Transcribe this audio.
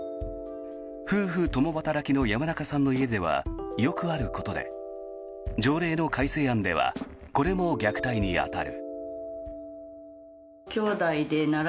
夫婦共働きの山中さんの家ではよくあることで条例の改正案ではこれも虐待に当たる。